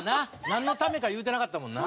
なんのためか言うてなかったもんな。